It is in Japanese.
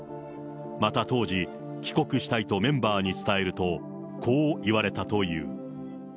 また当時、帰国したいとメンバーに伝えると、こう言われたという。